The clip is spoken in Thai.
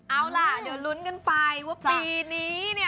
เอาล่ะเดี๋ยวลุ้นกันไปว่าปีนี้เนี่ย